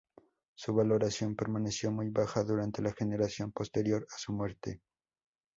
Su valoración permaneció muy baja durante la generación posterior a su muerte.